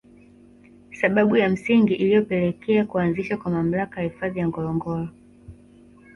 Sababu ya msingi iliyopelekea kuanzishwa kwa mamlaka ya Hifadhi ya Ngorongoro